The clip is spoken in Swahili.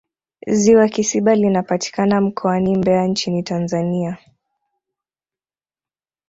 ziwa kisiba linapatikana mkoani mbeya nchini tanzania